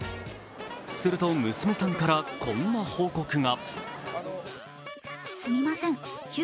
すると娘さんからこんな報告が。